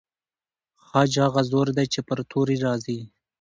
خج هغه زور دی چې پر توري راځي.